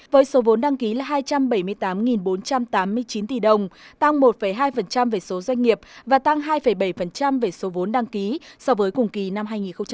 với số vốn đăng ký là hai trăm bảy mươi tám bốn trăm tám mươi chín tỷ đồng tăng một hai về số doanh nghiệp và tăng hai bảy về số vốn đăng ký so với cùng kỳ năm hai nghìn một mươi chín